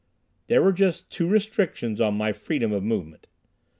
There were just two restrictions on my freedom of movement.